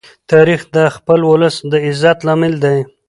تاریخ د خپل ولس د عزت لامل دی.